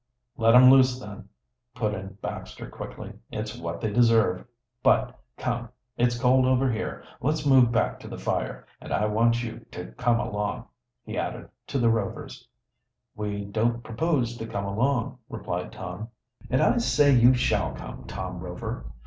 "Let him lose them," put in Baxter quickly. "It's what they deserve. But, come, it's cold over here. Let's move back to the fire. And I want you two to come along," he added, to the Rovers. "We don't propose to come along," replied Tom. "And I say you shall come, Tom Rover.